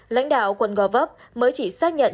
lãnh đạo quận gò vấp mới chỉ xác nhận